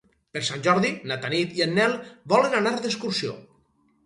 Per Sant Jordi na Tanit i en Nel volen anar d'excursió.